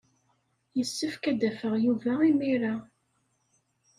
Yessefk ad d-afeɣ Yuba imir-a.